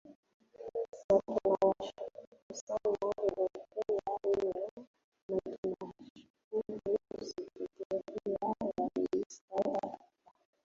na tunawashukuru sana european union na tunashukuru secretariat ya east afrika